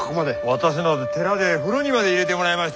私など寺で風呂にまで入れてもらいまして。